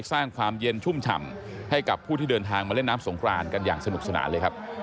สร้างความเย็นชุ่มฉ่ำให้กับผู้ที่เดินทางมาเล่นน้ำสงครานกันอย่างสนุกสนานเลยครับ